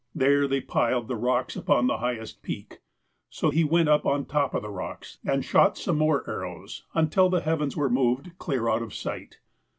There they piled the rocks upon the highest peak. So he went up on top of the rocks, and shot some more ar rows, until the heavens were moved clear out of sight.